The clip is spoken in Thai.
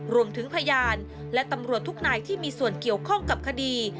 รวมถึงพยานและตำรวจทุกนายที่มีส่วนเกี่ยวข้องกับคดี